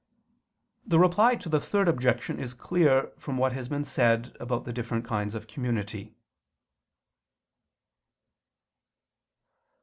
The Reply to the Third Objection is clear from what has been said about the different kinds of community.